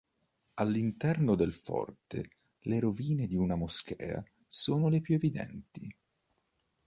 All'interno del forte le rovine di una moschea sono le più evidenti.